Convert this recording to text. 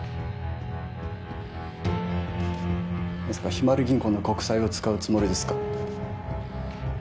まさかひまわり銀行の国債を使うつもりですか？